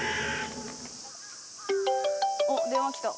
おっ電話きた。